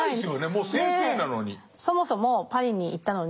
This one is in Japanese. もう先生なのに。